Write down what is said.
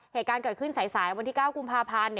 เหตุการณ์เกิดขึ้นสายบนที่ก้าวกุมภาพาน